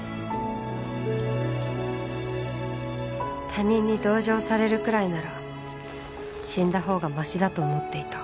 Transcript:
他人に同情されるくらいなら死んだほうがマシだと思っていた